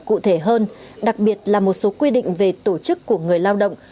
cụ thể hơn đặc biệt là một số quy định về tổ chức của người lao động